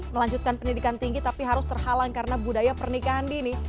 melanjutkan pendidikan tinggi tapi harus terhalang karena budaya pernikahan dini